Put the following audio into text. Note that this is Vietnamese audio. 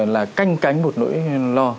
là canh cánh một nỗi lo